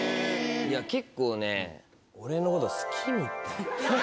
いや、結構ね、俺のこと好きみたい。